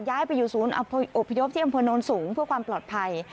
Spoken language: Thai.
ย้ายไปอยู่ศูนย์อบพยพที่อำเภอโน้นสูงเพื่อความปลอดภัย